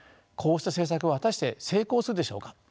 こうした政策は果たして成功するでしょうか。